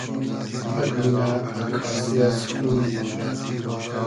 پئگ مونۂ اککاسی از خویی دیدۂ